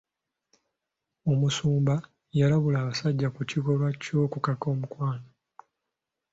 Omusumba yalabula abasajja ku kikolwa ky'okukaka omukwano.